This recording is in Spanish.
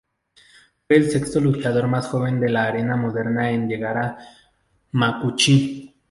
Fue el sexto luchador más joven de la era moderna en llegar a "makuuchi".